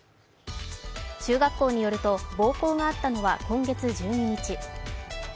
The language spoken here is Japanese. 中学校によると、暴行があったのは今月１２日。